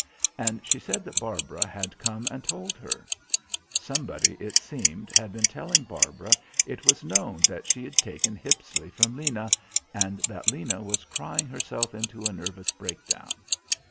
And she said that Barbara had come and told her. Somebody, it seemed, had been telling Barbara it was known that she'd taken Hippisley from Lena, and that Lena was crying herself into a nervous break down.